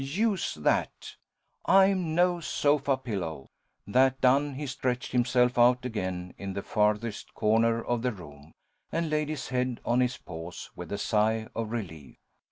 Use that! I am no sofa pillow." That done he stretched himself out again in the farthest corner of the room, and laid his head on his paws with a sigh of relief.